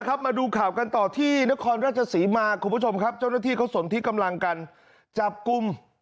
มาดูข่าวกันต่อที่นครราชศรีมาคุณผู้ชมครับเจ้าหน้าที่เขาสนที่กำลังกันจับกลุ่ม